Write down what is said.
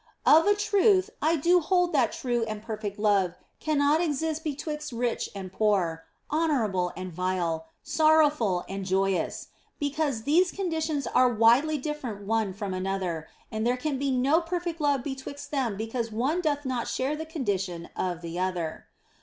Of a truth I do hold that true and perfect love cannot exist betwixt rich and poor, honourable and vile, sorrowful and joyous, because these conditions are widely different one from another, and there can be no perfect love be twixt them because one doth not share the condition of the other.